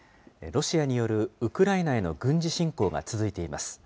ロシアによるウクライナへの軍事侵攻が続いています。